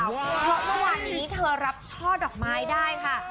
เพราะเมื่อวานนี้เธอรับช่อดอกไม้ได้ค่ะ